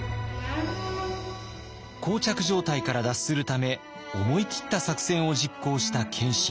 膠着状態から脱するため思い切った作戦を実行した謙信。